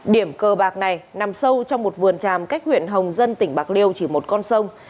điểm cờ bạc này nằm sâu trong một vườn tràm cách huyện hồng dân tỉnh bạc liêu chỉ một con sông